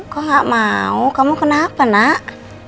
kok gak mau kamu kenapa nak